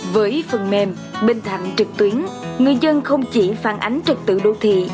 với phần mềm bình thạnh trực tuyến người dân không chỉ phản ánh trật tự đô thị